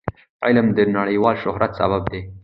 علم د نړیوال شهرت سبب دی.